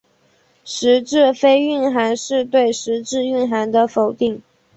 实质非蕴涵是对实质蕴涵的否定。